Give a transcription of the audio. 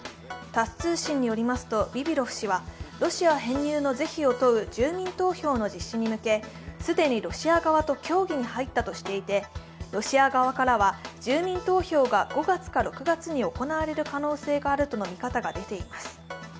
タス通信によりますと、ビビロフ氏はロシア編入の是非を問う住民投票の実施に向け既にロシア側と協議に入ったとしていてロシア側からは住民投票が５月か６月に行われる可能性があるとの見方が出ています。